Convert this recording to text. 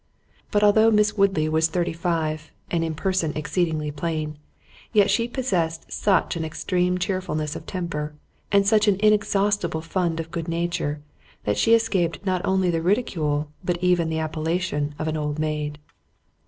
But although Miss Woodley was thirty five, and in person exceedingly plain, yet she possessed such an extreme cheerfulness of temper, and such an inexhaustible fund of good nature, that she escaped not only the ridicule, but even the appellation of an old maid.